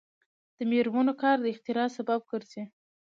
د میرمنو کار د اختراع سبب ګرځي.